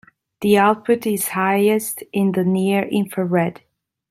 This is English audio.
The output is highest in the near infrared.